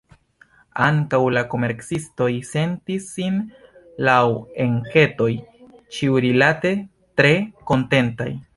Ankaŭ la komercistoj sentis sin, laŭ enketoj, ĉiurilate tre kontentaj.